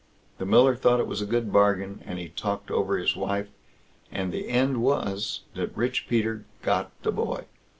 The miller thought it was a good bargain, and he talked over his wife; and the end was, that Rich Peter got the boy.